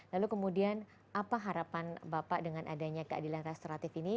lalu kemudian apa harapan bapak dengan adanya keadilan restoratif ini